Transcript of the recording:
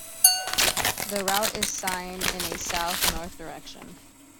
The route is signed in a south-north direction.